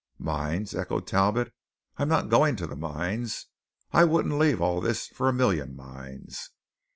"Mines?" echoed Talbot, "I'm not going to the mines! I wouldn't leave all this for a million mines.